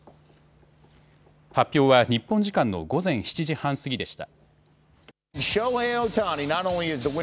発表は日本時間の午前７時半過ぎでした。